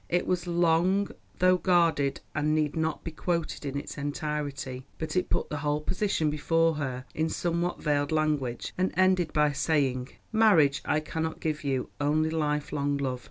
It was long, though guarded, and need not be quoted in its entirety, but it put the whole position before her in somewhat veiled language, and ended by saying, "Marriage I cannot give you, only life long love.